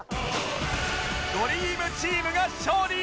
ドリームチームが勝利